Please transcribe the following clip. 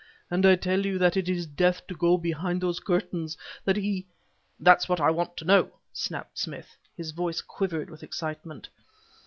And I tell you that it is death to go behind those curtains that he..." "That's what I wanted to know!" snapped Smith. His voice quivered with excitement.